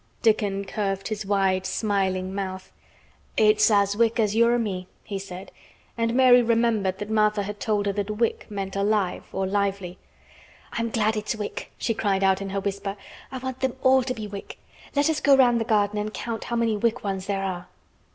Dickon curved his wide smiling mouth. "It's as wick as you or me," he said; and Mary remembered that Martha had told her that "wick" meant "alive" or "lively." "I'm glad it's wick!" she cried out in her whisper. "I want them all to be wick. Let us go round the garden and count how many wick ones there are."